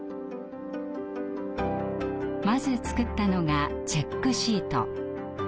まず作ったのがチェックシート。